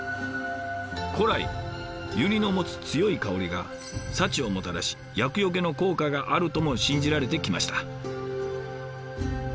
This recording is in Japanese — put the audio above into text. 古来ユリの持つ強い香りが幸をもたらし厄よけの効果があるとも信じられてきました。